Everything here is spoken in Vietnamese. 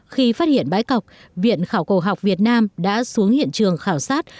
khi phát hiện bãi cọc viện khảo cầu học việt nam đã xuống hiện trường khảo sát